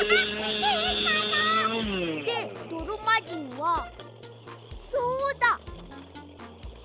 へんなの！でどろまじんはそうだ！